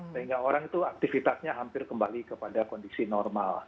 sehingga orang itu aktivitasnya hampir kembali kepada kondisi normal